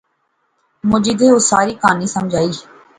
مجیدیں اس ساری کہاںی سمجھائی